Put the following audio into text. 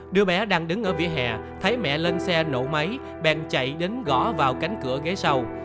đứa bé đang đứng ở vỉa hè thấy mẹ lên xe nổ máy bèn chạy đến gõ vào cánh cửa ghế sau